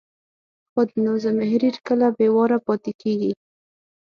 خود نو، زمهریر کله بې واورو پاتې کېږي.